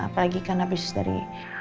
apalagi kan habis dari